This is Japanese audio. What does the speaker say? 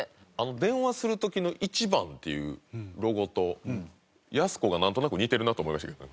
電話する時の「１番」っていうロゴとやす子がなんとなく似てるなと思いましたけど。